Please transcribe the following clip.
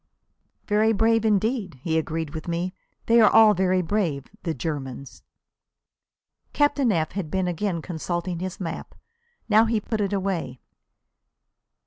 "Very brave indeed," he agreed with me. "They are all very brave, the Germans." Captain F had been again consulting his map. Now he put it away.